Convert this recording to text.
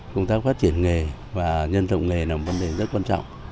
công tác phát triển nghề và nhân rộng nghề là một vấn đề rất quan trọng